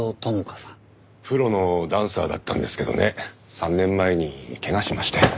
プロのダンサーだったんですけどね３年前に怪我しまして。